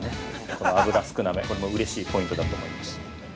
この油少なめ、これもうれしいポイントだと思います。